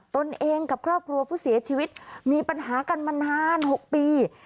ตนเองกับครอบครัวผู้เสียชีวิตมีปัญหากันมานาน๖ปี